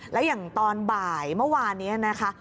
แล้วอย่างตอนบ่ายเมื่อวานนี้นะคะ